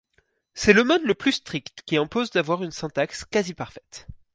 C’est le mode le plus strict qui impose d'avoir une syntaxe quasi parfaite.